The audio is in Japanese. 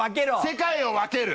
世界を分ける！